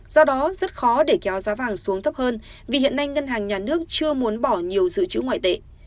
do đó rất khó để kéo giá vàng xuống thấp hơn vì hiện nay ngân hàng nhà nước chưa muốn bỏ nhiều dự trữ ngoại tệ